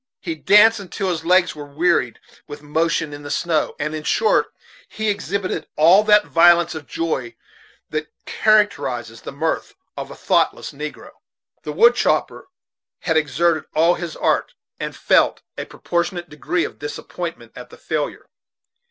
He danced until his legs were wearied with motion in the snow; and, in short, he exhibited all that violence of joy that characterizes the mirth of a thoughtless negro. The wood chopper had exerted all his art, and felt a proportionate degree of disappointment at the failure.